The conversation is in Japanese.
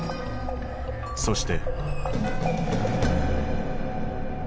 そして。